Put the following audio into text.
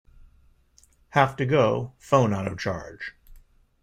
Have to go; phone out of charge.